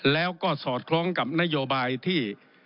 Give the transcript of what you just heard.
แล้วก็สอดคล้องกับนโยบายที่